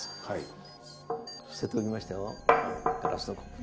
はい。